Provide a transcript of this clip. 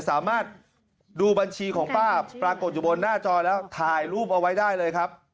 สามารถดูบัญชีของป้าปรากฏอยู่บนหน้าจอแล้วถ่ายรูปเอาไว้ได้เลยครับ